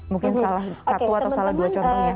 mungkin salah satu atau salah dua contohnya